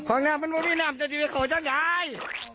เขาง่ำมันบอมมี่นามเจอที่วิทยาของช่างใหญ่